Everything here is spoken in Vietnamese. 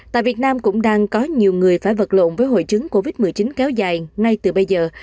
tại việt nam cũng đang có nhiều người phải vật lộn với hội chứng covid một mươi chín kéo dài ngay từ bây giờ